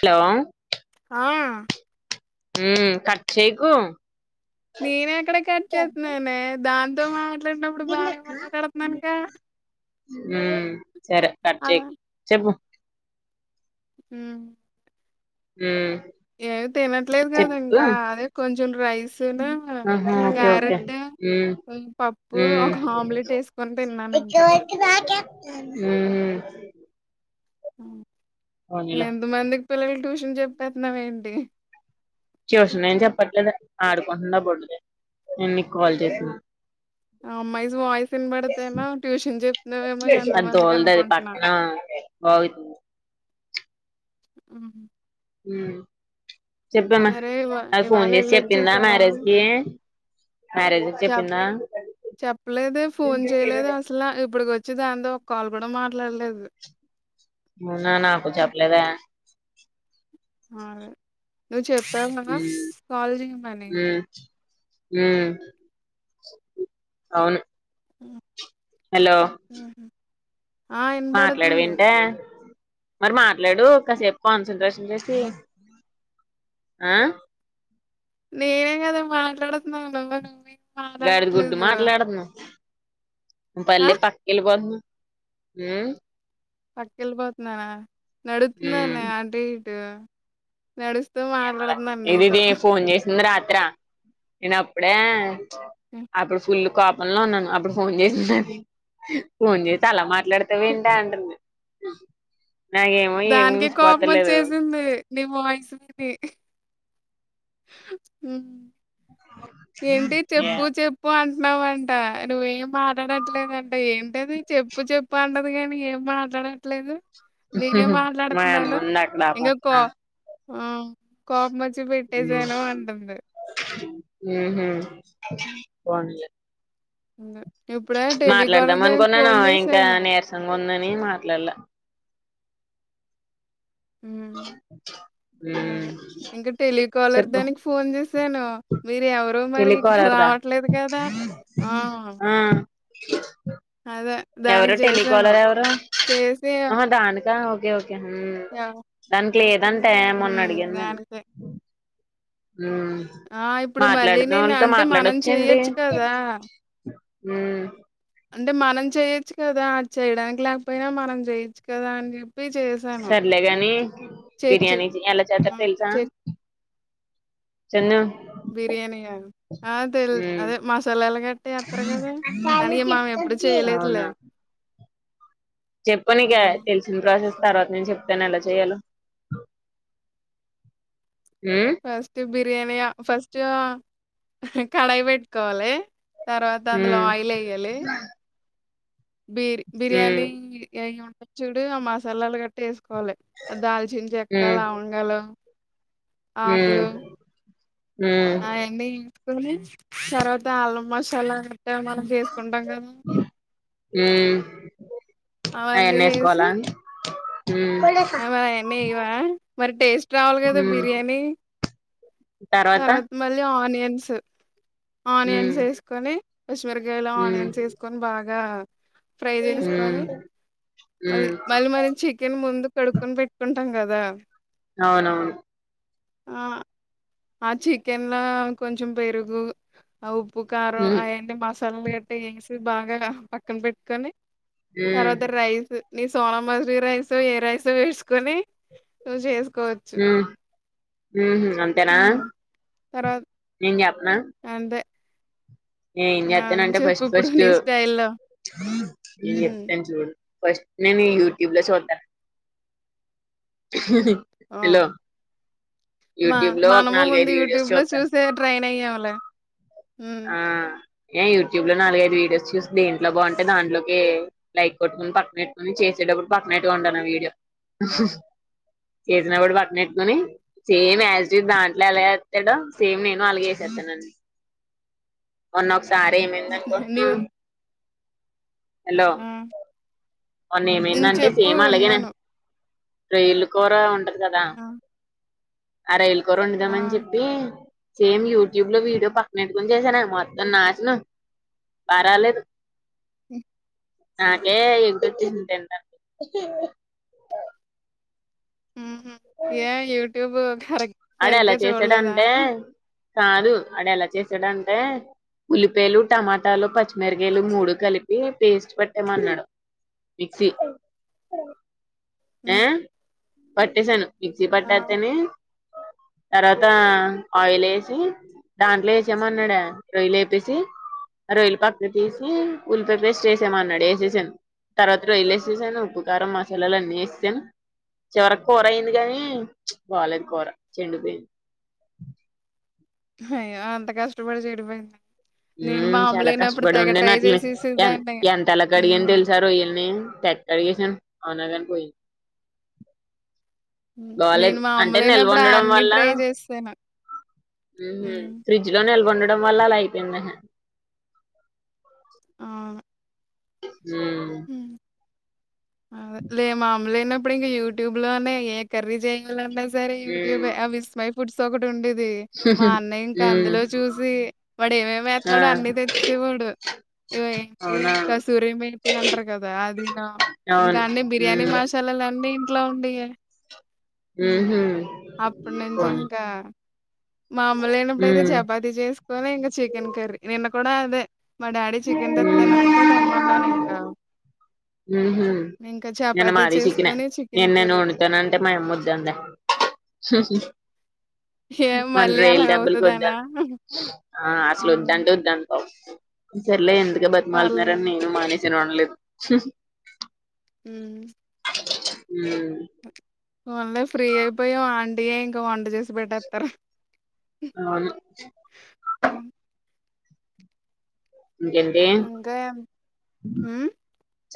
Hello! ఆ.. మ్ cut చేకు నేనేక్కడ కట్ చేస్తున్నానే దాంతో మాట్లాడినప్పుడు బానే మాట్లాడుతున్నానుకా హ్మ్ సరే కట్ చేయకు చెప్పు మ్ మ్ ఏం తినట్లేదు కదా ఇంకా అదే కొంచెం రైస్న్ క్యారెట్ పప్పు మ్ ఒక ఆమ్లెట్ ఏసుకొని మ్ తిన్నాను ఇంకా. మ్ మ్ ఎంత మందిక్ పిల్లలకి ట్యూషన్ చెప్పేస్తున్నావ్ ఏంటి ఆడుకుంటుంన్న బొడ్డుద నేన్ నీక్ కాల్ చేసిన అమ్మాయిస్ వాయిస్ ఇనబడ్తేనా ట్యూషన్ చెప్తున్నవేమో ఎంత అది మందిక్ దోలది అది అనుకుంటున్నా పక్కన [unintelligible] ఆవ్ చెప్పమ్మ మరే ఇవా అద్ ఇవాళ ఫోన్ చేసి చెప్పిందా మ్యారేజ్కీ చెప్ చెప్పలేదే ఫోన్ చేయలేదు అసల ఇప్పుడిక్ వచ్చి దాంతో ఓ కాల్ కూడా మాట్లాడ్లేదు. అవునా నాకు చెప్లేదే ఆ నువ్ చెప్పావు కదా ఉమ్ కాల్ చేయమని మ్ అవును హలో! ఉహు. ఆ వినపడుతుంది మాట్లాడవెంటే మరి మాట్లాడు కాసేపు కాన్సన్ట్రేషన్ చేసి ఆ నేనే కదా మాట్లాడుతున్నాను నువ్వేం గాడిద గుడ్డు మాట్లాడట్లేదు. మాట్లాడుతున్నావ్ ఆ పల్లె పక్కెల్లి పోతునవ్ హ్ పక్కెళ్ళిపోతున్నానా ఉమ్ నడుత్తున్నానే అటు ఇటు నడుస్తూ మాట్లాడుతున్నాను ఇది నీతో ఇది ఫోన్ చేసింది రాత్ త్రా నేన్ అప్పుడే అప్పుడ్ ఫుల్ కోపంలో ఉన్నాను అప్పుడు ఫోన్ చేసిందది. ఫోన్ చేసి అలా మాట్లాడ్తవెంటే అంటుంది. ఆ దానికి కోపం వచ్చేసింది నీ వాయిసు విని హ ఏంటి ఏ, చెప్పు చెప్పు అం టున్నావంట నువ్వేం మాటడ్లేదంట ఏంటది చెప్పు చెప్పు అంటది కని ఏం మాటా మాట్లాడట్లేదు నేనే మా అమ్మ మాట్లాడ్తున్నాను ఉంది అక్కడ ఆ ఇంకా పక్కన కో ఆ కోపమచ్చి పెట్టేసాను అంటుంది. మ్ హ్ పోనీలే హుం మాట్లాడదాం అనుకున్నాను ఇంకా జేశాను. నీరసంగా ఉందని మాట్లాడలా మ్మ్ ఇంకా టెలికాలర్ చెప్పు దానికి ఫోన్ చేసి చేశాను మీరు ఎవరు మరి ఇంకా టెలికాలర్ దా రావట్లేదు కదా ఆ ఆ అదే ఎవరు దానికి చేశాను. టెలికాలర్ ఎవరు చేసి ఆ దాని ఆ ఓకే ఓకే హ్మ్ ఎవ దానికి లేదంటే ఏమని హ్మ్. అడిగాను నేను దానికి హ్మ్ ఆ! ఇప్పుడు మళ్ళీ మాట్లాడిన నేను వాళ్ళతో అంటే మనం మాట్లాడొచ్చండి. చేయొచ్చు కదా! హ్మ్ అంటే మనం చెయొచ్చు కదా చేయడానికి లేకపోయినా మనం చెయొచ్చు కదా అని చెప్పి చేశాను. సర్లే గాని చర్చి బిర్యానీ ఎలా చేస్తారు హ్మ్. తెలుసా చర్చి చిన్న బిర్యానీ ఆ తెలీదు మ్మ్ అదే మసాలాలు కట్టి ఏస్తారు కదా కానీ మనం ఏప్పుడు చేయలేదులే చెప్ప ఆనేక హ్మ్. తెలిసిన ప్రాసెస్ ఆ! తర్వాత నేను చెప్తాను అలా చేయాల ఫస్ట్ బిర్యానీ ఫస్ట్ కడాయి పెట్టుకోవాలి తర్వాత అందులో హ్మ్ ఆయిల్ వేయ్యాలి బిర్ బిర్యానీ హ్మ్ అవి ఉంటది చూడు ఆ మసాలాలు కట్టి వేసు కోవాలి దాల్చిిన చెక్క హ్మ్ లవంగాలు ఆకులు హ్మ్ హ్మ్ అవన్నీ తర్వాత ఆలం మసాలా మనం చేసుకుంటాం కదా హ్మ్ అవన్నీ వేసుకోవాలా ఆ మరి అవన్నీయ్యావ మరి టేస్ట్ రావాలి కదా హ్మ్ బిర్యానీ తర్వాత మళీ ఆన్ హ్మ్ ఆనియన్స్ వేకొని పచ్చిమిరకాయలో హ్మ్ ఆనియన్స్ వేసుకొని బాగా ఫ్రై హ్మ్ చేసుకొని హ్మ్ మళ్ళ మరి చికెన్ ముందు కడుక్కొని పెట్టుకుంటాం కదా అవునవును ఆ ఆ చికెన్లా కొంచెం పెరుగు అప్ ఉప్పు కారం హ్మ్ అవన్నీ మసాలాలు గట్టటి వేసి బాగా పక్కన పెట్టుకొని హ్మ్ తర్వాత రైస్ నీ సోనమసూరి రైస్ ఏ రైస్ వేసుకొని నువ్వు చేసుకోవచ్చు హ్మ్మ్ అంతేనా తర్వాత నేన చెప్ప అంతే నేన ఏం ఆ నువ్వు చెస్తానంటే చెప్పు ఫస్ట్ ఇప్పుడు ఫస్ట్ నీ స్టైల్లో ఇం ఉమ్. చెప్తాను చూడు ఫస్ట్ నేను యూట్యూబ్ లో చూస్తాను ఆ హలో మా యూట్యూబ్ లో ఒక మనము ముందు నాలుగైదు వీడియోస్ యూట్యూబ్ లో చూత్తాను. చూసే ట్రైన్ అయ్యములే ఆ ఏ యూట్యూబ్ లో నాలుగైదు వీడియోస్ చూసి దేంట్లో బాగుంటే దాంట్లోకి లైక్ కొట్టుకుని పక్కన పెట్టుకొని చే చేసేటపుడు పక్కన కుంటాను వీడియో చేసినప్పుడు పక్కన పెట్టుకుని సేమ్ యాజ్ దాంట్లో అలాగస్తాడుో సేమ్ నేను అలాగేసా మొన్న ఒకసారి ఏమైంది నీవు అనుకుంటున్నావ్ హలో ఆ మోన్న నేను ఏమైందంటే చెప్పు సేమ్ అలాగేనా ఉన్నాను రోయల కూర ఉంటది కదా ఆ ఆ రైల ఆ కొరండుదామని చెప్పి సేమ్ యూట్యూబ్ లో వీడియో పక్కన పెట్టుకుొని చేసాను మొత్తం నాశనం బా రాలేదు హ నాకే ఎగుట వచ్చేసింది తింటంటే ఏ యూట్యూబ్ కరెక్ట్ ఆడ ఎలా సరిగ్గా చూడలేదా చేసాడంటే కాదు ఆడ ఎలా చేసాడంటే ఉల్లిపాయలు టమాటాలు పచ్చిమిరకాయలు మూడు కలిపి పేస్ట్ పెట్టామ అన్నాడు మిక్సీ ఆ ఉమ్. పట్టేేశాను మిక్సీ పట్ట ఆ తెనే తర్వాత ఆయిల్ వేసి దాంట్లో వేసామ అన్నాడ రొయ్యలు వేపేసి రొయ్యలు పక్క తీసి ఉల్లిపయ పేస్ట్ వేసామ అన్నాడు వేసేసాను తర్వాత రొయలే వేసేసాను ఉప్పుకారం మసాల అన్నీ వస్తేను చివరికి కూర అయింది కాగానీ బాలేదు కూర చెండిపోయింది అ అయ్యో అంత కష్టపడి చెడిపోయింది నేను చాలా మామూలైనప్పుడు కష్టపడి తెగ ఉండే ట్రై నాట్ని ఎ చేసేసేదాన్ని ఎంత అలా క అడిగిని ఉమ్. తెలుసా రొయ్యల్ని టెక్ క చేస అయినా గాని పోయింది హ్మ్. బాలేేదు నేను మా అమ్మ అంటే నిల్వ లేనప్పుడు ఉండడం అన్నీ వల్ల ట్రై చేశాను. హ్మ్. ఫ్రిడ్జ్ లో నిల్వ ఉండడం వల్ల అలా అయిపోయింది హ్మ్మ్ లేమామ్లేనే ఇప్పుడు ఇంక యూట్యూబ్ లోనే ఏ కర్రీ చేయాల అన్నా సరే ఉమ్ యూట్యూబ్ ఆ విస్ మై ఫుడ్స్ ఒక ఉండేది మా అన్నయ్య ఇంకా ఉమ్ అందులో చూసి వాడు ఏమేమి ఆ వేతున్నాడుో అన్ని తెచ్చసేవాడు ఇ ఏ ఏ అవునా కా సూర బ అంటారు కదా అది నా ఇంకా అవును అన్ని బిర్యానీ ఉమ్ మసాలాల అన్నీ ఇంట్లో ఉండే హ ఉహు అప్పుడు నెంచి పోనీ ఇకా మా అమ్మ లేనప్పుడయితే ఉమ్ చపాతి చేసుకొని ఇంకా చికెన్ కర్రీ నిన్న కూడా అదే మా డాడీ చికెన్ ఉమ్ తెత్తానంటే తమ్మన్నాను ఇంకా హమ్ హమ్ ఇంకా నిన్న చపాతీ మాది చికిినే చేసుకొని చికెన్ నేను నేను కర్రీ వండుతా అంటే మా అమ్మ వద్దంది ఏం మన మళ్ళీ రొయ్యలు అలాగ దెబ్బకి వద్ద అవుతదనా అన్నది అసలు హ్మ్. వద్దంటే వద్దంత సర్లే ఎందుకు బతుమలుతున్నారని పర్లేదు. నేను మానేస ఉండలేదు ఉ ఉ ఫన్లే ఫ్రీ అయిపోయా అంటయ ఇంకా వంట చేసి పెట్టేస్తారు అవును ఇంకేంటి ఇంకా హ్మ్.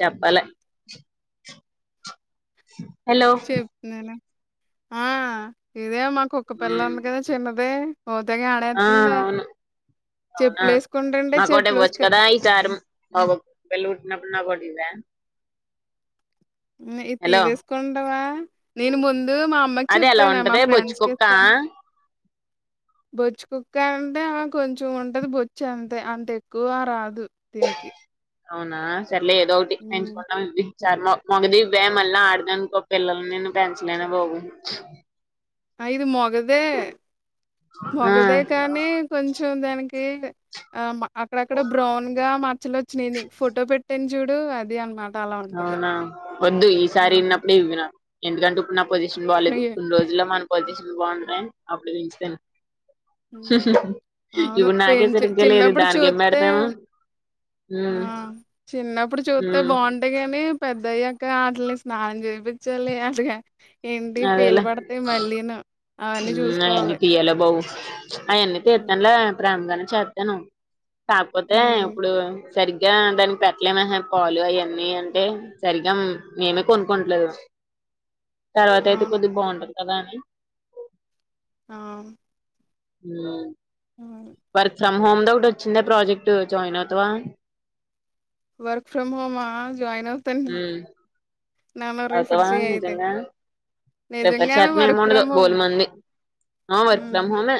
చెప్పాలి హలో చెప్తున్నాను. ఆ ఇదే మా కుక్క పిల్ల ఉమ్ ఉంది కదా చిన్నది ఓదగా ఆడ అతుంది వునా నాకుట ఇవ్వచ్చు కదా ఈసారి మాకు కుక్కపిల్ల పుడితే ద ఇది తీసేసుకుంటావా నేను ముందు మా అమ్మకి అది ఎలా చెప్పానా మా ఉంటదే బొచ్చు ఫ్రెండ్స్ క కుక్క ఇస్తాను బొచ్చి కుక్క అంటే అ కొంచెం ఉంటది బొచ్చు అంతే అంత ఎక్కువ రాదు దీనికి క అవునా సరలే ఏదో ఒకటి ఎంచుకుంటాం ఇవ్వు చార్ మ మగది ఇవ్వే మళ్ళీ ఆడద అనుకో పిల్లలు నేను పెంచలేనే బాబు ఇది మొగదే మొగదే ఆ కానీ కొంచెం దానికి ఎల్ డా ఆ మ అక్కడక్కడ బ్రౌన్ గా మచ్చలు వచ్చినాయి నీ ఫోటో పెట్టాను చూడు అది అనమా అవునా వద్దు ఈసారి హ్మ్. విన్నప్పుడే ఇవిన ఎందుకంటే ఇప్పుడు నా పొజిషన్ బాలేదు అయ్యో! కొన్ని రోజుల్లో మన పొజిషన్ బాగుంటే అప్పుడు దించుకోన హ్మ్. అవును. ఇప్పుడు నాకే పెంచి సరిగ్గ లేదు చిన్నప్పుడు దానికి ఏం చూత్తే పెడతాము ఆ చిన్నప్పుడు చుతే ఉమ్ బాగుంటయిగా నీ పెద్ద అయ్యాక వాటిలిన్ని స్నానం చేపించాలి అట్లగా ఏంటి పేలు అదేలే పడితే మళ్ళీను అవన్నీ చూసుకోవాలి అవన్నీ హ్మ్. తీతానులే ప్రేమంగానే చేతాను కాకపోతే హ్మ్. ఇప్పుడు సరిగ్గా దానికి పెట్టలేమా పాలు అవన్నీ అంటే సరిగ్గా మేమే కొనుక్కంలేదు తర్వాత అయితే అవును. కొద్ది బాగుంటుంది కదా అని ఆ హమ్ తమ్ హోమ్ ది ఒకటి వచ్చిందే ప్రాజెక్ట్ జాయిన్ అవుతావా వర్క్ ఫ్రమ్ హోమా జాయిన్ అవుతాన్ నేను ఉమ్ నన్ను రెఫెర్ అవుతావా చెయ్ అయితే నిజంగా రిఫర్ నిజంగానే చేతన ఏమి వర్క్ ఉండదు ఫ్రొం హోమ్ బోలు మంది ఆ వర్క్ హ్మ్ ఫ్రమ్ హోమే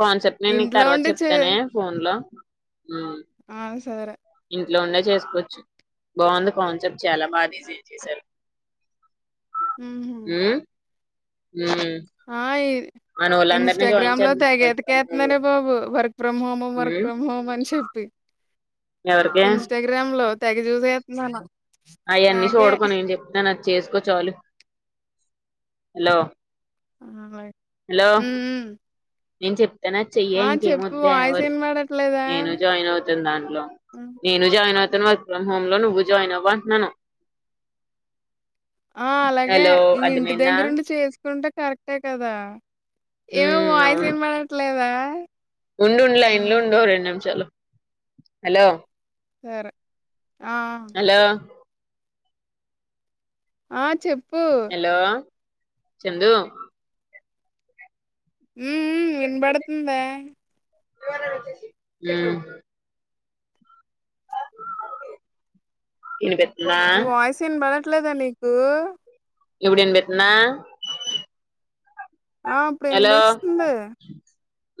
కాన్సెప్ట్ నేను నీకు ఇంట్లో తర్వాత ఉండి చే చెప్తానే ఫోన్ లో ఉమ్ ఆ సరే ఇంట్లో ఉండే చేసుకోవచ్చు బాగుంది కాన్సెప్ట్ చాలా బాగా డిజైన్ చేసారు హ్మ్ హు ఉమ్ ఆ ఈ మనోళ్ళందరినీ జాయిన్ ఇన్స్టాగ్రామ్ లో చేద్దాం తెగ వర్క్ ఫ్రమ్ హోమ్ లో ఎతికెతన్ననే బాబు వర్క్ ఫ్రొం హోమ్ ము వర్క్ ఉమ్ ఫ్రొం హోమ్ ము అని చెప్పి ఎవరికి [unintelligible] తెగచూసేతున్నాను అవన్నీ చూడకు నేను చెప్తాను అది చేసుకో చాలు హలో అయ్ హలో హ్మ్ హ్మ్ నేను చెప్తాను అది చేయే ఆ! ఇంకేం చెప్పు వద్దే ఎ వాయిస్ ఎవర్ ఇనబడట్లేదా? నేను జాయిన్ అవుతాను దాంట్లో హ్మ్. నేను జాయిన్ అవు అయితను వర్క్ ఫ్రొం హోమ్ లో నువ్వు జాయిన్ అవ్వు అంటున్నాను ఆ అలాగే హలో ఈ ఇంటి అర్థమైందా దగ్గరుండి చేసుకుంటే కరెక్టే కదా ఏవో వాయిస్ వినపడట్లేదా ఉండుండు లైన్లో ఉండు రెండు నిమిషాలు హలో సరే ఆ! హలో ఆ చెప్ హలో చందు హ్మ్ హ్మ్ వినబడుతుందే హ్మ్ ఇనిప్ ఇ వాయిస్ పడట్లేదా నీకు ఇప్పుడు ఇనిపితుందా ఆ! ఇప్పుడు హలో ఇనిపిస్తుంది.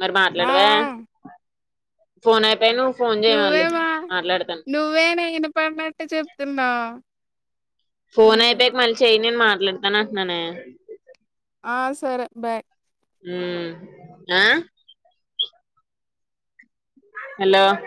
మరి ఆ! ఆ! మాట్లాడేవె ఫోన్ అయిపోయి నువ్వు ఫోన్ చేయిమళ్ళి మాట్లాడతను ఇన్ పడినట్టే చెప్తున్నా ఫోన్ అయిపోక మళ్ళీ చెయ్ నేను మాట్లాడతా అంటున్నానే ఆ సరే బాయ్ హ్మ్ అ హలో